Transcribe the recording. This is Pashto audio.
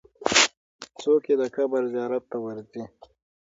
څوک یې د قبر زیارت ته ورځي؟